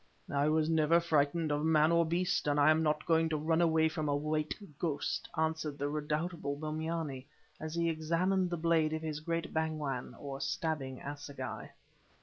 "I never was frightened of man or beast, and I am not going to run away from a White Ghost," answered the redoubtable Bombyane, as he examined the blade of his great bangwan or stabbing assegai.